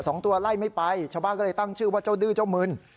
สองตัวไล่ไม่ไปชาวบ้านก็เลยตั้งชื่อว่าเจ้าดื้อเจ้ามึน